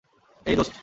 এই, দোস্ত।